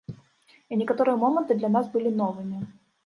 І некаторыя моманты для нас былі новымі.